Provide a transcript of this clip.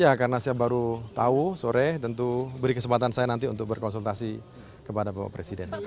ya karena saya baru tahu sore tentu beri kesempatan saya nanti untuk berkonsultasi kepada bapak presiden